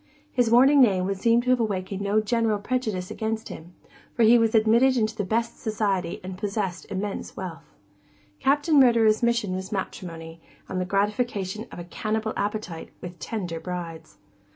His warning name would seem to have awakened no general prejudice against him, for he was admitted into the best society and possessed immense wealth. Captain Murderer's mission was matrimony, and the gratification of a cannibal appetite with tender brides.